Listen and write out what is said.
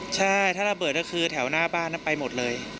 ใช่ถ้าระเบิดก็คือแถวหน้าบ้านไปหมดเลย